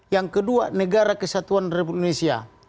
yang kedua negara kesatuan republik indonesia